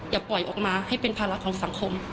อย่าปล่อยออกมาให้เป็นภาระของสังคม